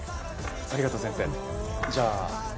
ありがとう先生じゃああした。